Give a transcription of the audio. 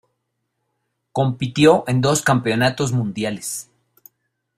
Compitió en dos campeonatos mundiales.